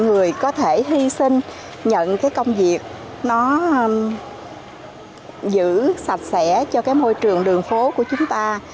người có thể hy sinh nhận cái công việc nó giữ sạch sẽ cho cái môi trường đường phố của chúng ta